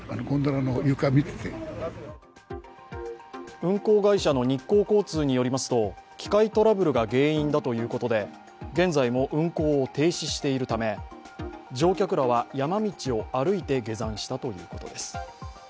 運行会社の日光交通によりますと、機械トラブルが原因だということで、現在も運行を停止しているため乗客らは山道を歩いて下山したということです。